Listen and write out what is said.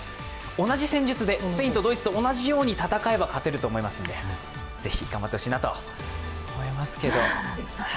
同じ戦術で、スペインやドイツと同じように戦えば勝てると思いますのでぜひ頑張ってほしいなと思いますけど。